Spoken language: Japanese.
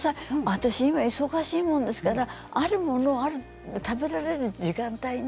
私今忙しいもんですから、あるものを食べられる時間帯に。